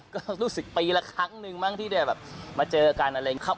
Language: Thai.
ก็รู้สึกปีละครั้งนึงมั้งที่จะแบบมาเจอกันอะไรอย่างนี้